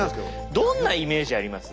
どんなイメージあります？